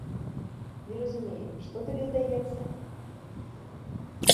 Не разумею, што табе здаецца?